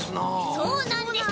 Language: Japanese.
そうなんです！